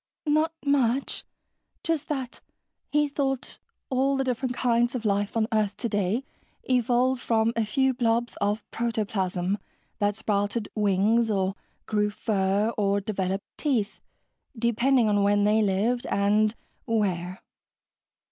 "Not much. Just that he thought all the different kinds of life on earth today evolved from a few blobs of protoplasm that sprouted wings or grew fur or developed teeth, depending on when they lived, and where."